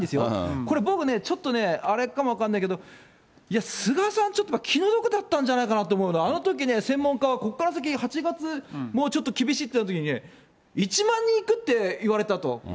これ、僕ね、ちょっとね、あれかも分かんないけど、いや、菅さん、ちょっと、ちょっと気の毒だったじゃないかなと思うのは、あのときね、専門家はここから先、８月もうちょっと厳しいっていったときにね、１万人いくって言われたと。